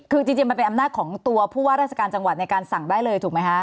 คือจริงมันเป็นอำนาจของตัวผู้ว่าราชการจังหวัดในการสั่งได้เลยถูกไหมคะ